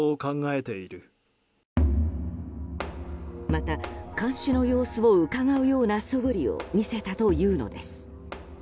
また看守の様子をうかがうようなそぶりを見せたというのです。